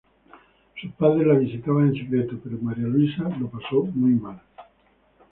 Sus padres la visitaban en secreto, pero María Luisa lo pasó muy mal.